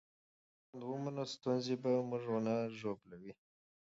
که موږ ژوند ومنو، ستونزې به موږ ونه ژوبلوي.